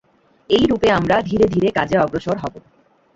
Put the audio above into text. এইরূপে আমরা ধীরে ধীরে কাজে অগ্রসর হব।